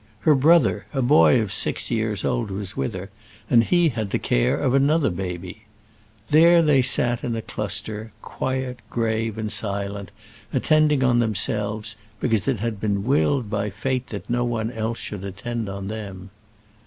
Her brother, a boy of six years old, was with her, and he had the care of another baby. There they sat in a cluster, quiet, grave, and silent, attending on themselves, because it had been willed by fate that no one else should attend on them.